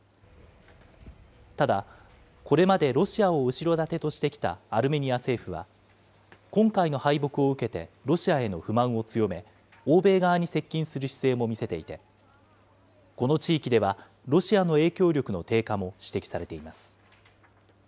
ただ、これまでロシアを後ろ盾としてきたアルメニア政府は、今回の敗北を受けてロシアへの不満を強め、欧米側に接近する姿勢も見せていて、この地域ではロシアの影響力の低下も指摘されています。